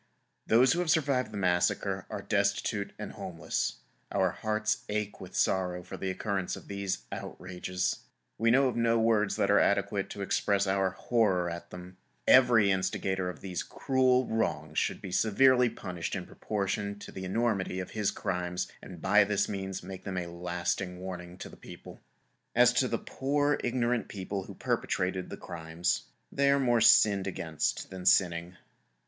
Those who have survived the massacre are destitute and homeless. Our hearts ache with sorrow for the occurrence of these outrages. We know of no words that are adequate to express our horror at them. Every instigator of these cruel wrongs should be severely punished in proportion to the enormity of his crimes and by this means make them a lasting warning to the people. As to most of the poor, ignorant people who perpetrated the crimes, they are more sinned against than sinning.